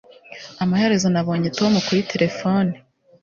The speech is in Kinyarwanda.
Amaherezo nabonye Tom kuri terefone